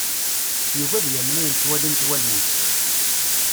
Yugi ad yamen ayen ttwalint wallen-is.